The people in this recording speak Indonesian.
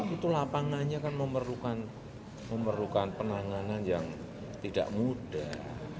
itu lapangannya kan memerlukan penanganan yang tidak mudah